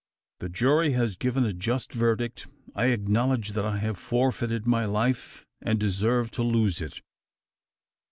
The jury has given a just verdict. I acknowledge that I have forfeited my life, and deserve to lose it."